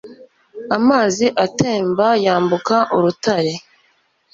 Amazi atemba yambuka urutare